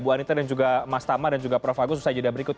bu anita dan juga mas tama dan juga prof agus usai jeda berikut